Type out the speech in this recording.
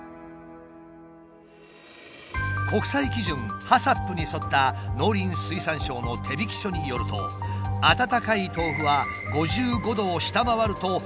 国際基準ＨＡＣＣＰに沿った農林水産省の手引書によると温かい豆腐は５５℃を下回ると食中毒のリスクが高まるという。